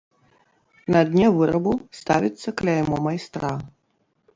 На дне вырабу ставіцца кляймо майстра.